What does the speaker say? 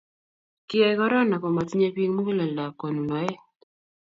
kiyai korona komatinye biik muguleldab konunoe